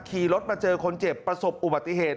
ขี่รถมาเจอคนเจ็บประสบอุบัติเหตุ